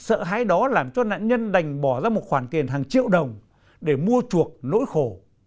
sợ hãi đó làm cho nạn nhân đành bỏ ra một khoản tiền hàng triệu đồng để mua chuộc nỗi khổ